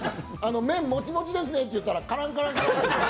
麺もちもちですねって言ったらカランカラン。